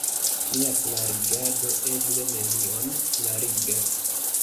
Mia klarigado eble nenion klarigas.